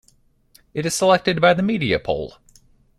It is selected by the media poll.